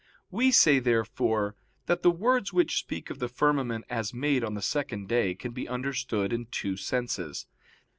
We say, therefore, that the words which speak of the firmament as made on the second day can be understood in two senses.